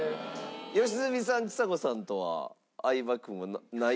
良純さんちさ子さんとは相葉君はない？